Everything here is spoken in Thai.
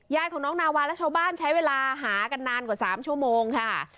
ยายของน้องนาวาและชาวบ้านใช้เวลาหากันนานกว่า๓ชั่วโมงค่ะ